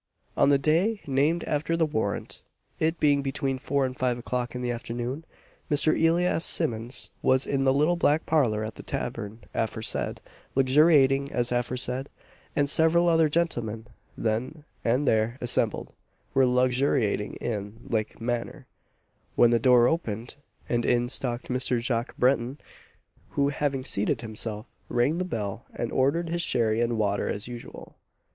On the day named in the warrant, it being between four and five o'clock in the afternoon, Mr. Elias Simmons was in the little back parlour at the tavern aforesaid, luxuriating as aforesaid, and several other gentlemen, then and there assembled, were luxuriating in like manner, when the door opened, and in stalked Mr. Jacques Breton; who, having seated himself, rang the bell and ordered his sherry and water as usual.